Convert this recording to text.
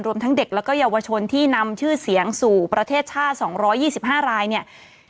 ทั้งเด็กและเยาวชนที่นำชื่อเสียงสู่ประเทศชาติ๒๒๕รายเนี่ย